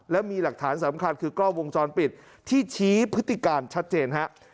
และมีหลักฐานสำคัญคือกล้องวงจรปิดที่ชี้พฤติการชัดเจนฮะ